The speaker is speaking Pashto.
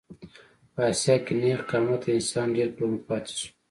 په اسیا کې نېغ قامته انسان ډېر کلونه پاتې شو.